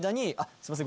すいません